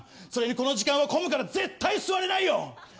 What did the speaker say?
それにこの時間は混むから絶対座れないよ！